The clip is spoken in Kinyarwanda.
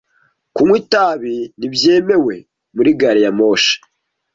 Kunywa itabi ntibyemewe muri gari ya moshi